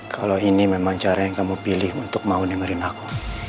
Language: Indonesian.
kalau ini memang cara yang kamu pilih untuk mau dengerin aku